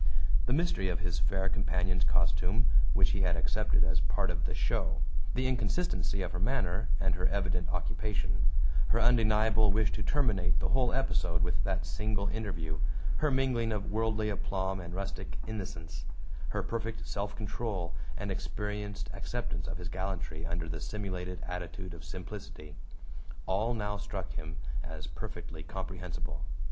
The mystery of his fair companion's costume, which he had accepted as part of the "show"; the inconsistency of her manner and her evident occupation; her undeniable wish to terminate the whole episode with that single interview; her mingling of worldly aplomb and rustic innocence; her perfect self control and experienced acceptance of his gallantry under the simulated attitude of simplicity all now struck him as perfectly comprehensible.